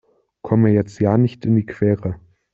Komm mir jetzt ja nicht in die Quere!